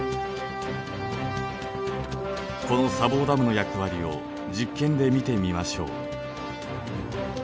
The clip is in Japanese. この砂防ダムの役割を実験で見てみましょう。